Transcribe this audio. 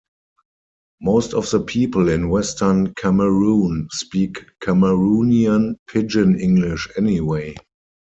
Most of the people in Western Cameroon speak Cameroonian Pidgin English anyway.